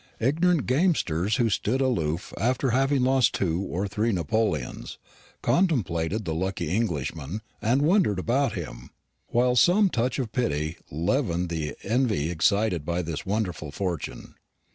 Ignorant gamesters, who stood aloof after having lost two or three napoleons, contemplated the lucky Englishman and wondered about him, while some touch of pity leavened the envy excited by his wonderful fortune.